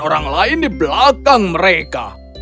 orang lain di belakang mereka